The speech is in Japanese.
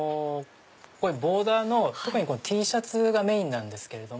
ボーダーの特にＴシャツがメインなんですけれども。